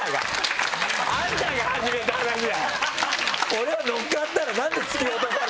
俺は乗っかったらなんで突き落とされなきゃ。